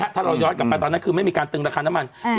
ถ้าเราย้อนกลับไปตอนนั้นคือไม่มีการตึงราคาน้ำมัน